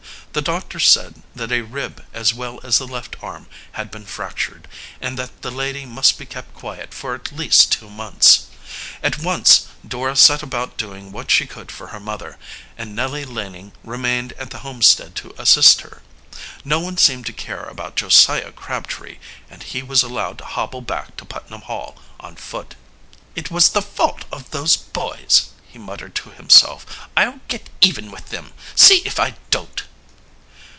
The doctor said that a rib as well as the left arm had been fractured, and that the lady must be kept quiet for at least two months. At once Dora set about doing what she could for her mother, and Nellie Laning remained at the homestead to assist her. No one seemed to care about Josiah Crabtree, and he was allowed to hobble back to Putnam Hall on foot. "It was the fault of those boys," he muttered to himself. "I'll get even with them, see if I don't!"